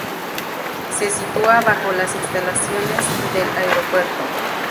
Se sitúa bajo la instalaciones del aeropuerto.